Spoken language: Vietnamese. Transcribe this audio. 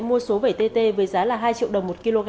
mua số bảy tt với giá là hai triệu đồng một kg